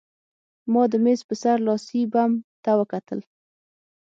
ما د مېز په سر لاسي بم ته وکتل